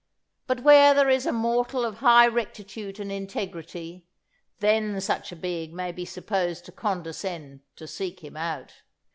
But where there is a mortal of high rectitude and integrity, then such a being may be supposed to condescend to seek him out.